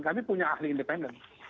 kami punya ahli independen